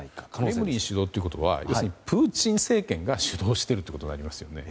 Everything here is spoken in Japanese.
クレムリン主導ということは、プーチン政権が主導しているということになりますよね。